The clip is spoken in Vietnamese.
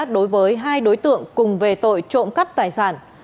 đối với hai đối tượng cùng về tội trộm cắp tài sản